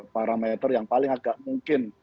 parameter yang paling agak mungkin